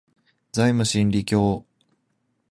ザイム真理教